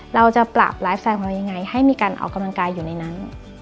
เราจะปรับไลฟ์แฟนของเรายังไงให้มีการออกกำลังกายอยู่ในนั้น